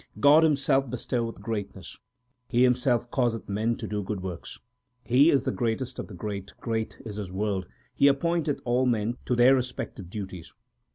God himself bestoweth greatness ; He Himself causeth men to do good works. He is the greatest of the great ; great is His world ; He appoint eth all men to their respective duties.